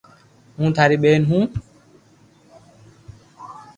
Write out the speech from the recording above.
ھون ٽاري ٻين ھون